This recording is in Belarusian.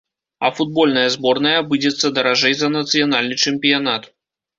А футбольная зборная абыдзецца даражэй за нацыянальны чэмпіянат.